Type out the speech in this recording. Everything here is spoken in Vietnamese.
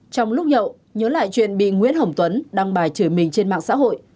trong lúc nhậu nhớ lại chuyện bị nguyễn hồng tuấn đăng bài trời mình trên mạng xã hội